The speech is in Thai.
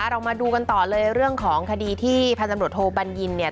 เรามาดูกันต่อเลยเรื่องของคดีที่พันธุ์ตำรวจโทบัญญินเนี่ย